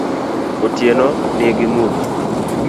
Otieno ni gi mudho